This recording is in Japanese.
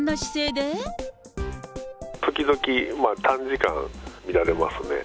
時々、短時間見られますね。